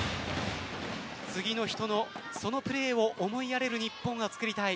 次の人のプレーを思いやれる日本を作りたい。